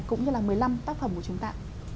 cũng như là một mươi năm tác phẩm của chúng ta